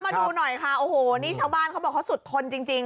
มาดูหน่อยค่ะโอ้โหนี่ชาวบ้านเขาบอกเขาสุดทนจริง